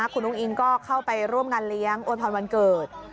คุณอุ้งอิงก็เข้าไปร่วมงานเลี้ยงโวยพรวันเกิด